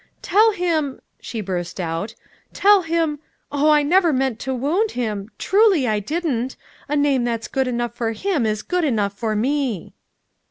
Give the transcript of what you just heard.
"Tell him," she burst out, "tell him oh, I never meant to wound him truly, I didn't ... a name that's good enough for him is good enough for me!"